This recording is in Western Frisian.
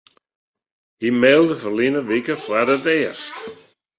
Hy mailde ferline wike foar it earst.